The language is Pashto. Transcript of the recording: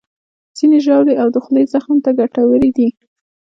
ځینې ژاولې د خولې زخم ته ګټورې دي.